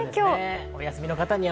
お休みの方には。